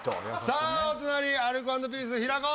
さあお隣アルコ＆ピース平子！